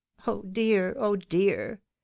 Oh dear ! Oh dear !